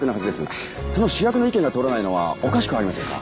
その主役の意見が通らないのはおかしくありませんか？